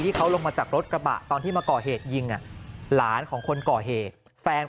เขาลงมาจากรถกระบะตอนที่มาก่อเหตุยิงหลานของคนก่อเหตุแฟน